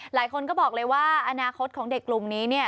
หลายคนก็บอกอะไรว่าอนาคตของเด็กกลุ่มนี้